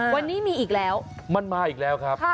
วันนี้มีอีกแล้วมันมาอีกแล้วครับ